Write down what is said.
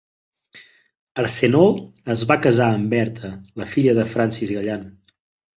Arsenault es va casar amb Bertha, la filla de Francis Gallant.